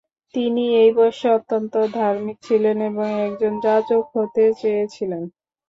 তিনি এই বয়সে অত্যন্ত ধার্মিক ছিলেন এবং একজন যাজক হতে চেয়েছিলেন।